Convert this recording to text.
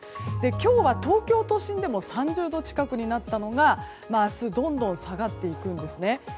今日は東京都心でも３０度近くになったのが明日、どんどん下がっていくんですね。